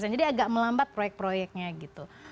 jadi agak melambat proyek proyeknya gitu